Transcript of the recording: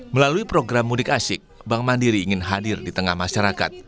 melalui program mudik asyik bank mandiri ingin hadir di tengah masyarakat